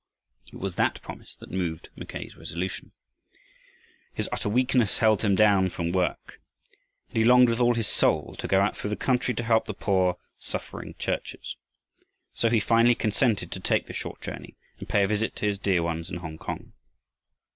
It was that promise that moved Mackay's resolution. His utter weakness held him down from work, and he longed with all his soul to go out through the country to help the poor, suffering churches. So he finally consented to take the short journey and pay a visit to his dear ones in Hongkong.